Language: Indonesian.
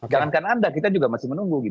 jangankan anda kita juga masih menunggu